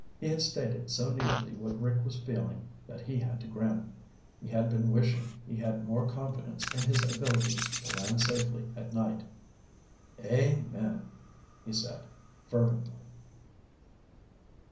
He had stated so neatly what Rick was feeling that he had to grin. He had been wishing he had more confidence in his ability to land safely at night. "Amen," he said fervently.